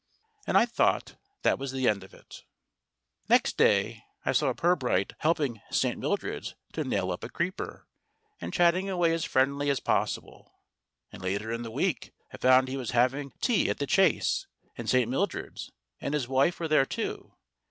And I thought that was the end of it. Next day I saw Pirbright helping St. Mildred's to nail up a creeper, and chatting away as friendly as possible ; and, later in the week, I found he was having tea at The Chase, and St. Mildred's and his wife were there, too.